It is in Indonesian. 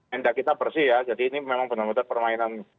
tenda kita bersih ya jadi ini memang benar benar permainan